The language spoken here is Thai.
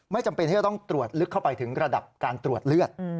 จำเป็นที่จะต้องตรวจลึกเข้าไปถึงระดับการตรวจเลือด